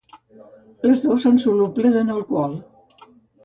Les dos són solubles en alcohol.